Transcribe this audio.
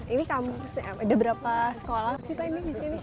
ini kampusnya ada berapa sekolah sih pak ini